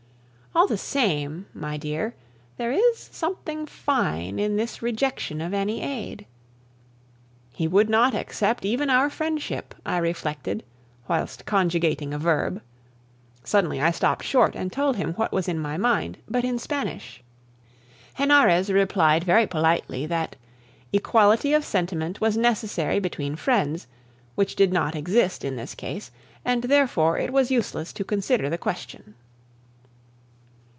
All the same, my dear, there is something fine in this rejection of any aid. "He would not accept even our friendship," I reflected, whilst conjugating a verb. Suddenly I stopped short and told him what was in my mind, but in Spanish. Henarez replied very politely that equality of sentiment was necessary between friends, which did not exist in this case, and therefore it was useless to consider the question.